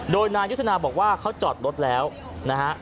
โดยนายุทธนาบอกว่าเขาจอดรถแล้วนะฮะ